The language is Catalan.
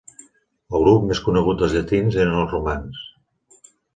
El grup més conegut dels llatins eren els romans.